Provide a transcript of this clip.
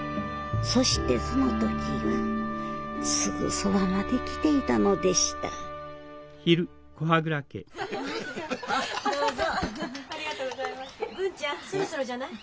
そしてその時はすぐそばまで来ていたのでした文ちゃんそろそろじゃない？